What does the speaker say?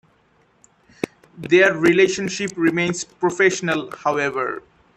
Their relationship remains professional, however.